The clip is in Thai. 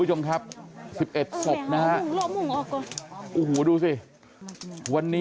พ่อขออนุญาต